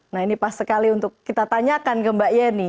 nah ini pas sekali untuk kita tanyakan ke mbak yeni